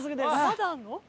まだあるの？